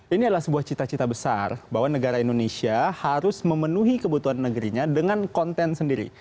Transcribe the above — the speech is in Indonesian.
ini adalah sebuah cita cita besar bahwa negara indonesia harus memenuhi kebutuhan negerinya dengan konten sendiri